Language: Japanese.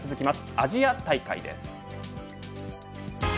アジア大会です。